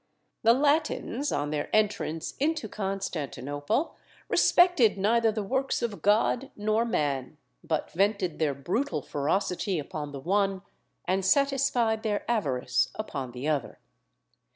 The Latins, on their entrance into Constantinople, respected neither the works of God nor man, but vented their brutal ferocity upon the one, and satisfied their avarice upon the other.